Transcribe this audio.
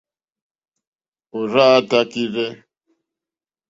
Òrzáā tākírzɛ́.